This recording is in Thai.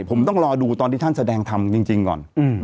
ผมต้องรอดูตอนที่ท่านแสดงธรรมจริงก่อน